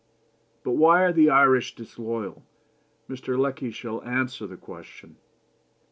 But why are the Irish disloyal? Mr. Lecky shall answer the question.